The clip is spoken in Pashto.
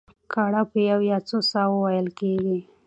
ګړه په یوه یا څو ساه وو وېل کېږي.